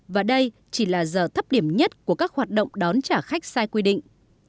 và đây chỉ là giờ thấp điểm nhất của các hoạt động đón trả khách sai quy định